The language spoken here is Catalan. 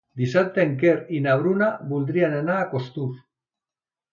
Dissabte en Quer i na Bruna voldrien anar a Costur.